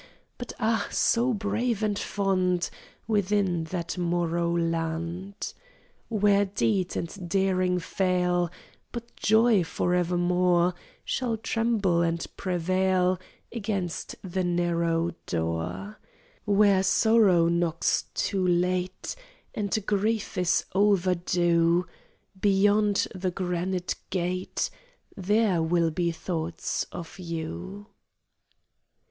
But ah, so brave and fond! Within that morrow land, Where deed and daring fail, But joy forevermore Shall tremble and prevail Against the narrow door, Where sorrow knocks too late, And grief is overdue, Beyond the granite gate There will be thoughts of you.